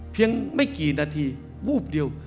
เพียงไม่กี่นาทีวูบเดียว